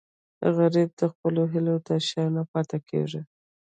غریب د خپلو هیلو تر شا نه پاتې کېږي